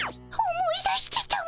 思い出してたも。